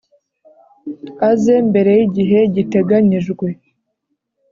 Aze mbere y’igihe giteganyijwe